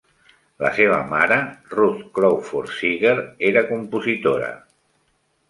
La seva mare, Ruth Crawford Seeger, era compositora.